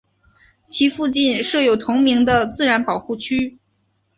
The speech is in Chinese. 其附近设有同名的自然保护区。